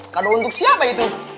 kado untuk siapa itu